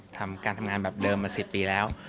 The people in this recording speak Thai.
ทำการทำงานแบบเดิมมา๑๐ปีแล้ว